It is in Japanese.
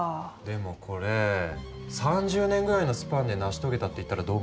でもこれ３０年ぐらいのスパンで成し遂げたって言ったらどう思います？